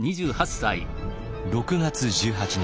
６月１８日。